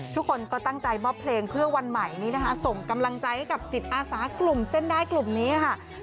ทุกคนก็ตั้งใจมอบเพลงเพื่อวันใหม่นี้นะคะส่งกำลังใจให้กับจิตอาสากลุ่มเส้นได้กลุ่มนี้ค่ะ